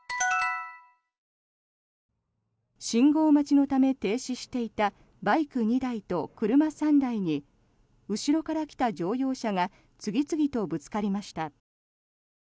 信号待ちのため停止していたバイク２台と車３台に後ろから来た乗用車が次々とぶつかりました。